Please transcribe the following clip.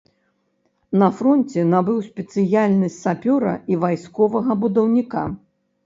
На фронце набыў спецыяльнасць сапёра і вайсковага будаўніка.